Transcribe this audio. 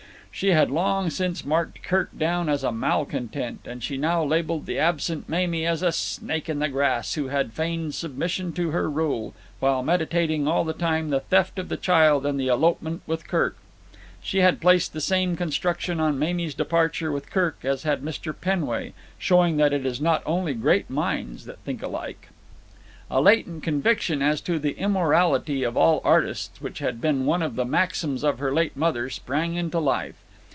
She had long since marked Kirk down as a malcontent, and she now labelled the absent Mamie as a snake in the grass who had feigned submission to her rule, while meditating all the time the theft of the child and the elopement with Kirk. She had placed the same construction on Mamie's departure with Kirk as had Mr. Penway, showing that it is not only great minds that think alike. A latent conviction as to the immorality of all artists, which had been one of the maxims of her late mother, sprang into life.